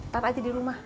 tepat aja di rumah